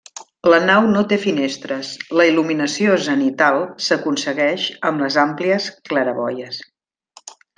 La nau no té finestres: la il·luminació zenital s'aconsegueix amb les àmplies claraboies.